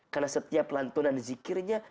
karena setiap lantunan zikirnya